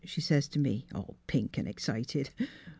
' she sez t' me, all pink an' excited.